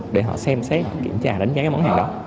để họ xem xét kiểm tra đánh giá cái món hàng đó